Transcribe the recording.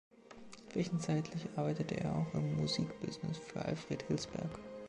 Zwischenzeitlich arbeitete er auch im Musik-Business für Alfred Hilsberg.